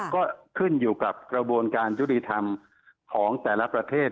ก็ขึ้นอยู่กับกระบวนการยุติธรรมของแต่ละประเทศ